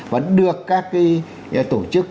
vẫn được các cái tổ chức